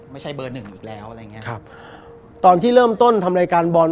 ไม่ใช่เบอร์หนึ่งอีกแล้วอะไรอย่างเงี้ครับตอนที่เริ่มต้นทำรายการบอล